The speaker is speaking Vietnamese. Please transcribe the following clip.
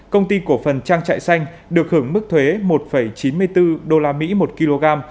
công ty cổ phần trang trại xanh được hưởng mức thuế một chín mươi bốn usd một kg